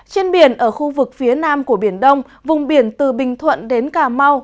trên biển ở khu vực phía nam của biển đông vùng biển từ bình thuận đến cà mau